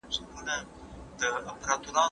ببو وویل چې هغه یوازې خاورې پخوي.